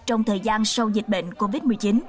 trong thời gian sau dịch bệnh covid một mươi chín